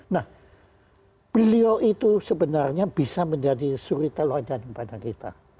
nah beliau itu sebenarnya bisa menjadi suri teluadan pada kita